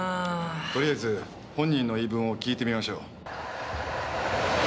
とりあえず本人の言い分を聞いてみましょう。